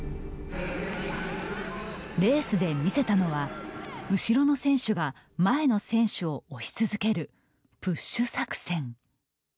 レースで見せたのは後ろの選手が前の選手を押し続ける「プッシュ作戦」。